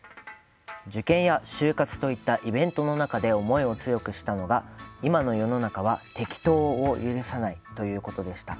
「受験や、就活といったイベントの中で思いを強くしたのが今の世の中は適当を許さないということでした。